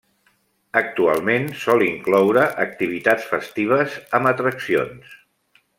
Actualment sol incloure activitats festives, amb atraccions.